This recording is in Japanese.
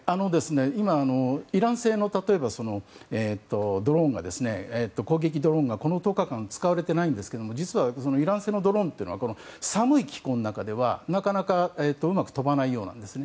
今、イラン製の攻撃ドローンが１０日間使われていないんですがイラン製のドローンというのは寒い気候の中ではうまく飛ばないようなんですね。